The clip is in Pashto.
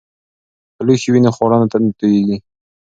که لوښي وي نو خواړه نه توییږي.